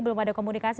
belum ada komunikasi